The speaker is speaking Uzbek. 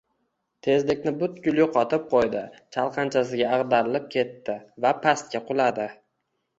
tezlikni butkul yo‘qotib qo‘ydi, chalqanchasiga ag‘darilib ketdi va pastga quladi.